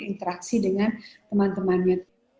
berinteraksi dengan teman temannya